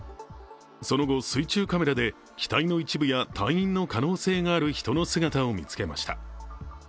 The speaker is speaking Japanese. その後、水中カメラで機体の一部や隊員の可能性がある人の姿を見つけました。